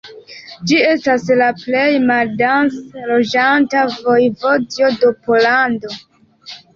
Ĝi estis la plej maldense loĝata vojevodio de Pollando.